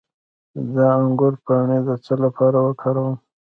د انګور پاڼې د څه لپاره وکاروم؟